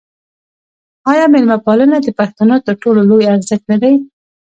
آیا میلمه پالنه د پښتنو تر ټولو لوی ارزښت نه دی؟